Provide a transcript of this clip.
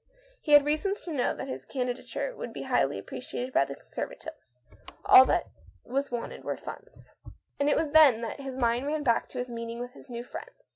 He had reason to know that his candidature would be highly appre THE MAN RETURNS. 171 ciated by the Conservatives. All that was wanted was funds. And it was then that his mind ran back to his meeting with his new friends.